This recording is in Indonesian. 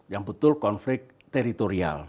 yang betul konflik teritorial